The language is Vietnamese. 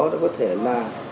đó có thể là